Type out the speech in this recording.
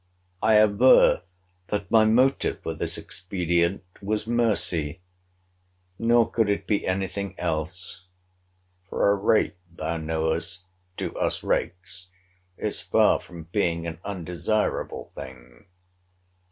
I aver, that my motive for this expedient was mercy; nor could it be any thing else. For a rape, thou knowest, to us rakes, is far from being an undesirable thing.